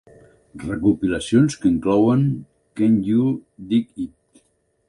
Recopilacions que inclouen "Can You Dig It?".